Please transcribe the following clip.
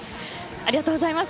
ありがとうございます。